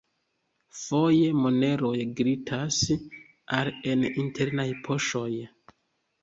Foje, moneroj glitas al en internaj poŝoj.